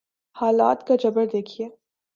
حالات کا جبر دیکھیے۔